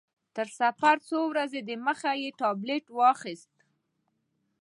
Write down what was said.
تر سفر څو ورځې دمخه مې ټابلیټ واخیست.